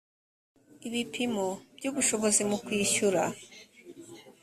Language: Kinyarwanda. ibipimo by ubushobozi mu kwishyura